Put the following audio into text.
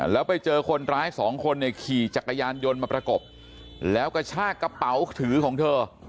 แล้วไปเจอคนร้ายสองคนเนี่ยขี่จักรยานยนต์มาประกบแล้วกระชากกระเป๋าถือของเธอ